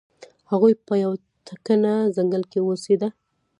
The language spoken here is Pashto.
هغوی په یو تکنه ځنګل کې اوسیده.